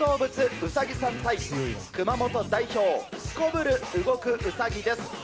うさぎさん対熊本代表、すこぶる動くウサギです。